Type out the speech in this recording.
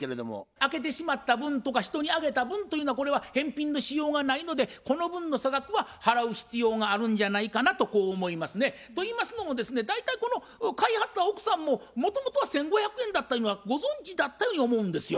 開けてしまった分とか人にあげた分というのはこれは返品のしようがないのでこの分の差額は払う必要があるんじゃないかなとこう思いますね。と言いますのもですね大体この買いはった奥さんももともとは１，５００円だったゆうのはご存じだったように思うんですよ。